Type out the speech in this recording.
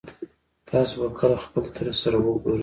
تاسو به کله خپل تره سره وګورئ